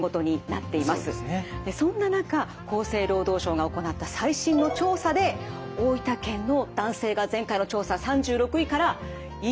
そんな中厚生労働省が行った最新の調査で大分県の男性が前回の調査３６位から１位に。